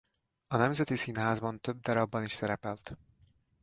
A Nemzeti Színházban több darabban is szerepelt.